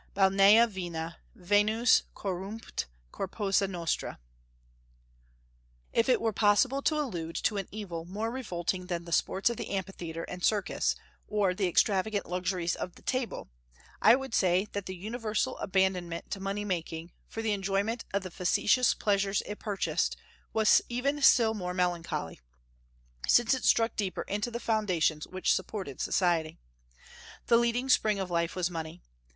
"Balnea, vina, Venus corrumpunt corpora nostra." If it were possible to allude to an evil more revolting than the sports of the amphitheatre and circus, or the extravagant luxuries of the table, I would say that the universal abandonment to money making, for the enjoyment of the factitious pleasures it purchased, was even still more melancholy, since it struck deeper into the foundations which supported society. The leading spring of life was money.